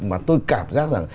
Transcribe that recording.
mà tôi cảm giác rằng